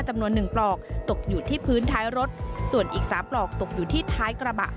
จำนวนหนึ่งปลอกตกอยู่ที่พื้นท้ายรถส่วนอีกสามปลอกตกอยู่ที่ท้ายกระบะ